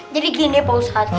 jadi gini pak ustaz